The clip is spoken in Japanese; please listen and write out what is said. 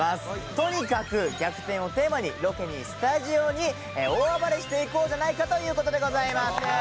とにかく逆転をテーマにロケにスタジオに大暴れしていこうじゃないかという事でございます。